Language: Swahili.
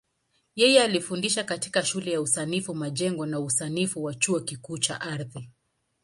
Yeye alifundisha katika Shule ya Usanifu Majengo na Usanifu wa Chuo Kikuu cha Ardhi.